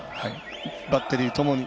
バッテリーともに。